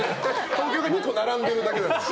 東京が２個並んでるだけだから。